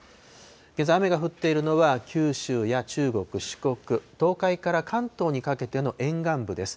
けさ、雨が降っているのは九州や中国、四国、東海から関東にかけての沿岸部です。